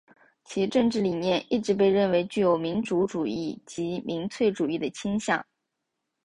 其政治理念一直被认为具有民族主义及民粹主义的倾向。